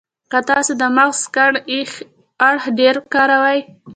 که تاسې د مغز کڼ اړخ ډېر کاروئ.